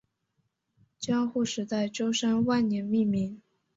江户时代舟山万年命名。